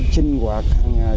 sinh hoạt hằng ngày